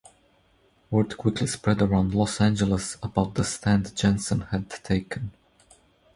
Word quickly spread around Los Angeles about the stand Janssen had taken.